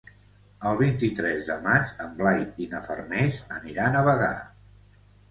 El vint-i-tres de maig en Blai i na Farners aniran a Bagà.